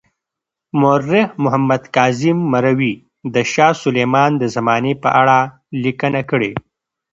مورخ محمد کاظم مروي د شاه سلیمان د زمانې په اړه لیکنه کړې.